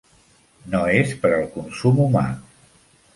No és per al consum humà.